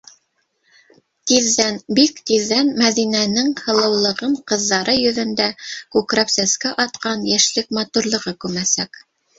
Тиҙҙән, бик тиҙҙән Мәҙинәнең һылыулығын ҡыҙҙары йөҙөндә күкрәп сәскә атҡан йәшлек матурлығы күмәсәк...